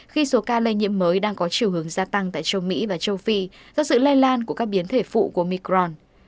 khi số ca lây nhiễm mới đang có chiều hướng gia tăng tại châu mỹ và châu phi do sự lây lan của các biến thể phụ của micron